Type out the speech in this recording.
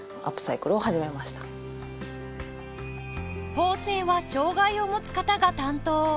縫製は障がいを持つ方が担当